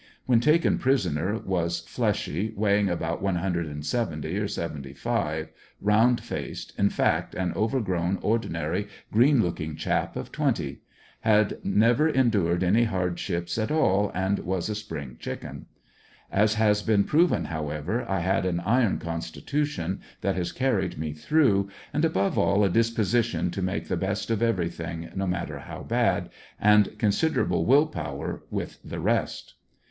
When taken prisoner was fleshy, wei'ghini: about one hundred and seventy or seventy five, round faced, in fact an overgrown, ordinary, green looking chap of twenty. Had never endnred any hardships at all and was a spring chicken. As has been proven however, I had an iron con stitution that has carried me through and above all a disposition to make the best of everything no matter how bad, and consider able will power with the rest.